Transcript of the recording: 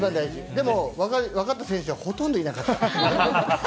でも分かった選手はほとんどいなかった。